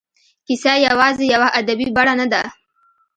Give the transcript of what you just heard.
کیسه یوازې یوه ادبي بڼه نه ده.